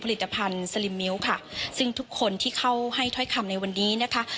ผลิตภัณฑ์สลิมมิ้วค่ะซึ่งทุกคนที่เข้าให้ถ้อยคำในวันนี้นะคะ